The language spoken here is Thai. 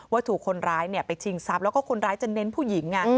ว่าถูกคนร้ายไปชิงทรัพย์แล้วก็คนร้ายจะเน้นผู้หญิง